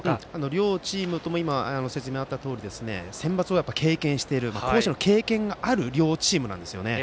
両チームとも今、説明にあったとおりセンバツを経験しているそうした経験がある両チームなんですね。